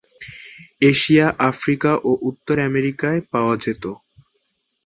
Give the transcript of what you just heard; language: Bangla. এশিয়া, আফ্রিকা ও উত্তর আমেরিকায় পাওয়া যেত।